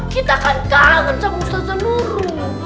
kita kan kangen sama ustaz zanur